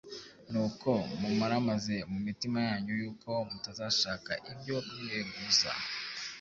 Nuko mumaramaze mu mitima yanyu yuko mutazashaka ibyo mwireguza,